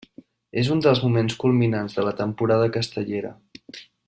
És un dels moments culminants de la temporada castellera.